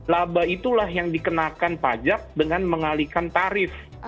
laba itulah yang dikenakan pajak dengan mengalihkan tarif